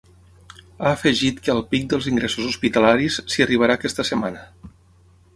Ha afegit que al pic dels ingressos hospitalaris s’hi arribarà aquesta setmana.